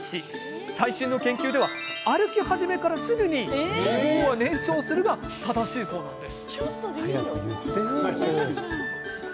最新の研究では、歩き始めからすぐに脂肪は燃焼するが正しいそうです。